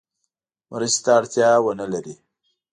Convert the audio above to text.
مرستې ته اړتیا ونه لري.